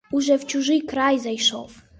Уже в чужий край зайшов.